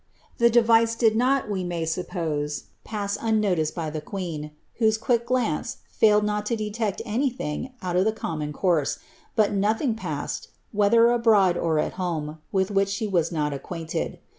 '' The brice did not, we may suppose, pass unnoticed by the queen, whose |iiick glance fiuled not to detect everything out of the common course, or nothing passed, whether abroad or at home, with which she was not cqoainted!